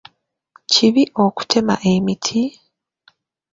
Kibi okutema emiti?